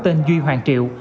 tên duy hoàng triệu